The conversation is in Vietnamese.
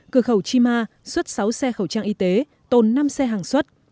cửa khẩu chima xuất sáu xe khẩu trang y tế tồn năm xe hàng xuất